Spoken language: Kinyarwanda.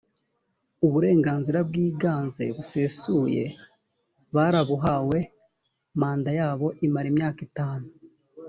uburenganzira bwiganze busesuye barabuhawe. manda yabo imara imyaka itanu